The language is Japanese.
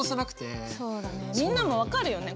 みんなも分かるよね？